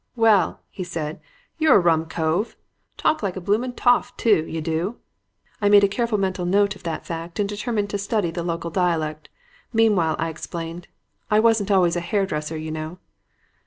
"'Well,' he said, 'you're a rum cove. Talk like a blooming toff too, you do.' I made a careful mental note of that fact and determined to study the local dialect. Meanwhile I explained, 'I wasn't always a hairdresser, you know.'